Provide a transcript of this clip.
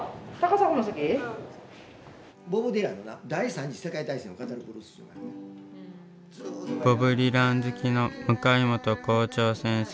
ボブ・ディラン好きの向本校長先生。